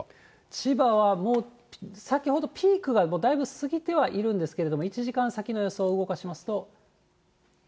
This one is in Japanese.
千葉は先ほどピークがだいぶ過ぎてはいるんですけども、１時間先の予想を動かしますと。